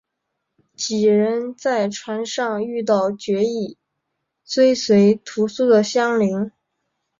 几人在船上遇到决意追随屠苏的襄铃。